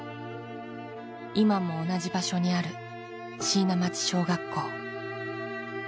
今も同じ場所にある椎名町小学校。